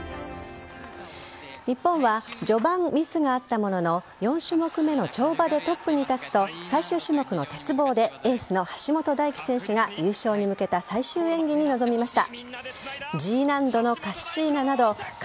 日本は序盤、ミスがあったものの４種目目の跳馬でトップに立つと最終種目の鉄棒でエースの橋本大輝選手が優勝に向けた最終演技に臨みました。